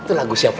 itu lagu siapa